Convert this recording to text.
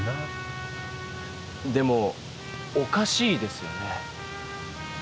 でもおかしいですよね。